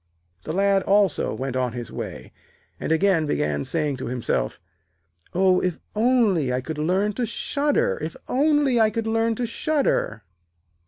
The Lad also went on his way, and again began saying to himself: 'Oh, if only I could learn to shudder, if only I could learn to shudder.'